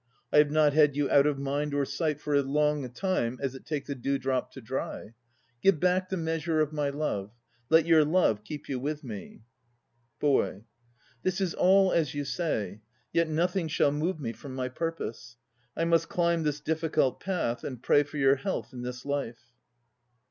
I have not had you out of mind or sight for as long a time as it takes a dewdrop to dry! Give back the measure of my love. Let your love keep you with me. BOY. This is all as you say. ... Yet nothing shall move me from my purpose. I must climb this difficult path and pray for your health in this life.